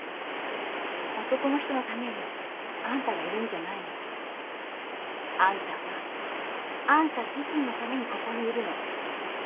男の人のためにあんたがいるんじゃないの。あんたはあんた自身のためにここにいるの。